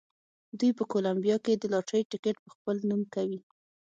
دوی په کولمبیا کې د لاټرۍ ټکټ په خپل نوم کوي.